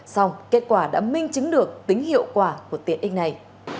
xong kết quả đã minh chứng được tính hiệu quả của tiện ích này